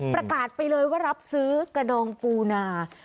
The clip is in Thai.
ประกาศไปเลยว่ารับซื้อกระดองปูนา